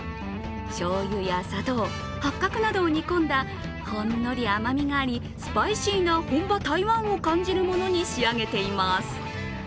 しょうゆや砂糖、八角などを煮込んだほんのり甘みがありスパイシーな本場・台湾を感じるものに仕上げています。